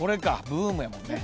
ブームやもんね。